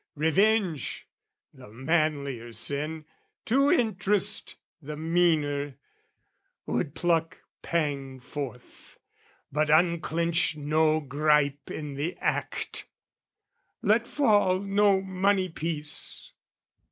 Revenge, the manlier sin, to interest The meaner, would pluck pang forth, but unclench No gripe in the act, let fall no money piece.